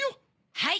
はい！